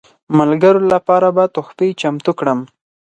ملګرو لپاره به تحفې چمتو کړم.